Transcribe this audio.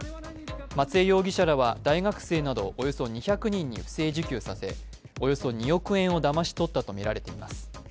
松江容疑者らは、大学生などおよそ２００人に不正受給させおよそ２億円をだまし取ったとみられています。